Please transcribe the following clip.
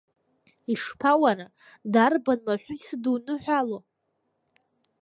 Ишԥа уара, дарбан маҳәу исыдуныҳәало?!